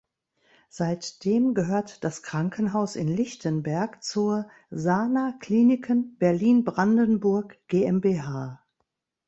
Seitdem gehört das Krankenhaus in Lichtenberg zur "Sana Kliniken Berlin-Brandenburg GmbH".